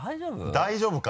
大丈夫か？